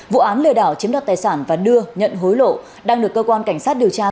vụ án lừa đảo chiếm đoạt tài sản và đưa nhận hối lộ đang được cơ quan cảnh sát điều tra